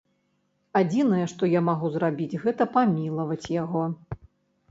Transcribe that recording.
Адзінае, што я магу зрабіць, гэта памілаваць яго.